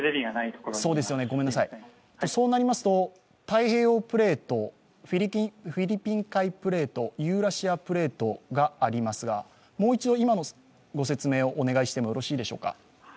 太平洋プレート、フィリピン海プレート、ユーラシアプレートがありますが、もう一度、今のご説明をお願いしてもよろしいでしょうか？